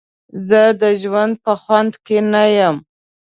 زه د ژوند په خوند کې نه یم.